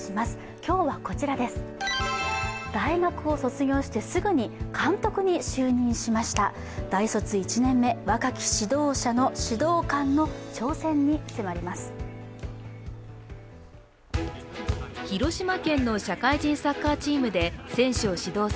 今日は大学を卒業してすぐに監督に就任しました大卒１年目、若き指導官の挑戦に迫ります。